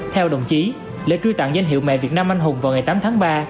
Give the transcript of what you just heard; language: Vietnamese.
theo đồng chí lễ truy tặng danh hiệu mẹ việt nam anh hùng vào ngày tám tháng ba